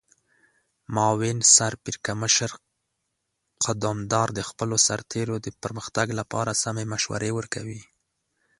معاون سرپرکمشر قدمدار د خپلو سرتیرو د پرمختګ لپاره سمې مشورې ورکوي.